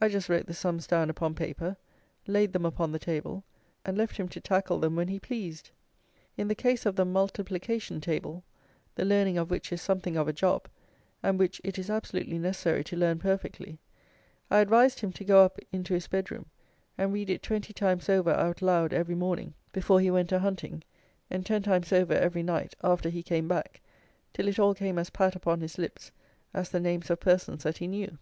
I just wrote the sums down upon paper, laid them upon the table, and left him to tackle them when he pleased. In the case of the multiplication table, the learning of which is something of a job, and which it is absolutely necessary to learn perfectly, I advised him to go up into his bed room and read it twenty times over out loud every morning before he went a hunting, and ten times over every night after he came back, till it all came as pat upon his lips as the names of persons that he knew.